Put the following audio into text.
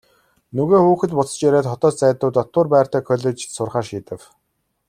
Нөгөө хүүхэд буцаж ирээд хотоос зайдуу дотуур байртай коллежид сурахаар шийдэв.